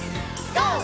ＧＯ！